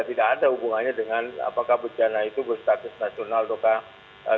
tidak ada hubungannya dengan apakah bencana itu berstatus nasional ataukah